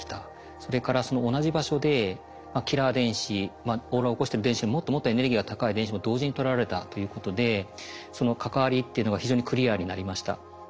それからその同じ場所でキラー電子オーロラを起こしてる電子よりもっともっとエネルギーが高い電子も同時にとらえたということでその関わりっていうのが非常にクリアになりました。